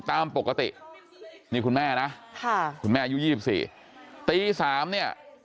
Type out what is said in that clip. ตามปกตินี่คุณแม่นะคุณแม่อายุ๒๔ตี๓เนี่ย